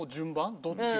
どっちが。